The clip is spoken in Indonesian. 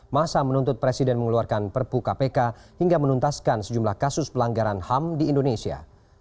masa menuntut presiden mengeluarkan perpu kpk hingga menuntaskan sejumlah kasus pelanggaran ham di indonesia